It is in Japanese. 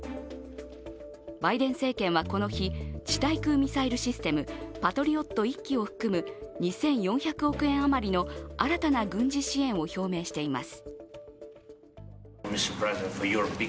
バイデン政権はこの日地対空ミサイルシステムパトリオット１基を含む２４００億円余りの新たな軍事支援を表明しています。